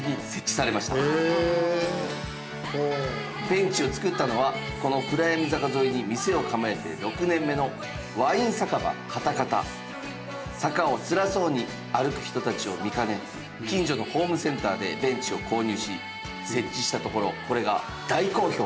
ベンチを作ったのはこの闇坂沿いに店を構えて６年目の坂をつらそうに歩く人たちを見かね近所のホームセンターでベンチを購入し設置したところこれが大好評！